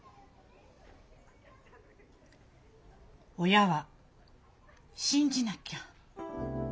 親は信じなきゃ。